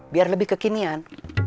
biar lebih kekinian